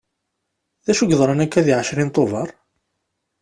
D acu i d-yeḍran akka deg ɛecrin tuḅer?